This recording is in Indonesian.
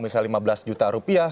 misalnya lima belas juta rupiah